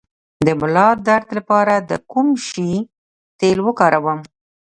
د ملا درد لپاره د کوم شي تېل وکاروم؟